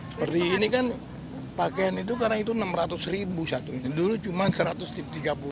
seperti ini kan pakaian itu karena itu enam ratus ribu satu dulu cuma rp satu ratus tiga puluh